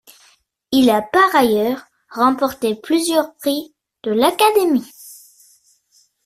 Il a par ailleurs remporté plusieurs prix de l'Académie.